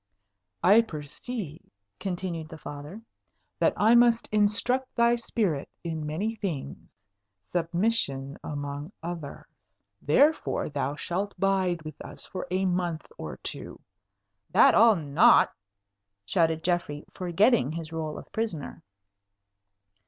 "I perceive," continued the Father, "that I must instruct thy spirit in many things, submission, among others. Therefore thou shalt bide with us for a month or two." "That I'll not!" shouted Geoffrey, forgetting his rôle of prisoner.